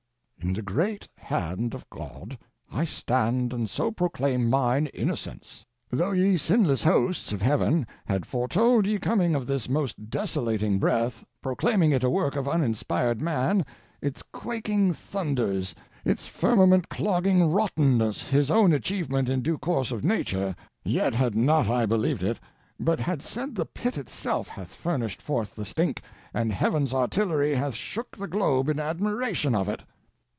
In the great hand of God I stand and so proclaim mine innocence. Though ye sinless hosts of heaven had foretold ye coming of this most desolating breath, proclaiming it a work of uninspired man, its quaking thunders, its firmament clogging rottenness his own achievement in due course of nature, yet had not I believed it; but had said the pit itself hath furnished forth the stink, and heaven's artillery hath shook the globe in admiration of it.